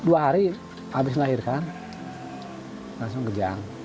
dua hari habis melahirkan langsung kejang